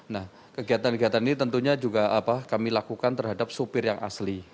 nah kegiatan kegiatan ini tentunya juga kami lakukan terhadap supir yang asli